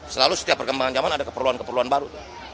selalu setiap perkembangan zaman ada keperluan keperluan baru